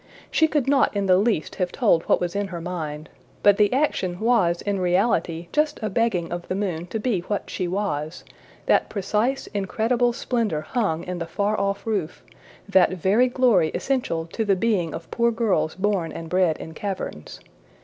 She could not in the least have told what was in her mind, but the action was in reality just a begging of the moon to be what she was that precise incredible splendor hung in the far off roof, that very glory essential to the being of poor girls born and bred in caverns.